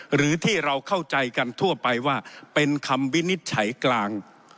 หรือที่เราเข้าใจกันทั่วไปว่าเป็นคำวินิจฉัยกลาง